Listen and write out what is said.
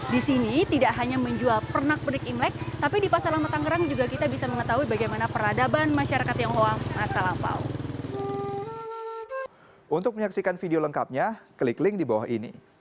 di sini tidak hanya menjual pernak pernik imlek tapi di pasar lama tangerang juga kita bisa mengetahui bagaimana peradaban masyarakat tionghoa masa lampau